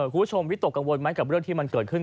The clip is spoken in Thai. วิตกกังวลไหมกับเรื่องที่มันเกิดขึ้น